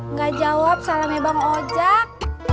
nggak jawab salamnya bang ojak